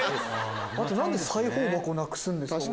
何で裁縫箱なくすんですか？